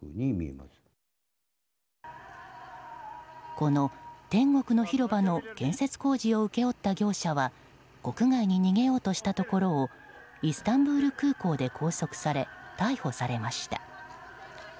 この天国の広場の建設工事を請け負った業者は国外に逃げようとしたところをイスタンブール空港で拘束され逮捕されました。